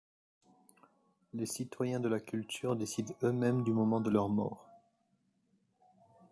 Les citoyens de la Culture décident eux-mêmes du moment de leur mort.